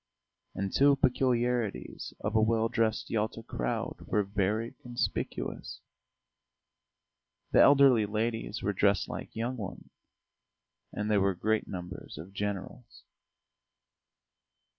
And two peculiarities of a well dressed Yalta crowd were very conspicuous: the elderly ladies were dressed like young ones, and there were great numbers of generals.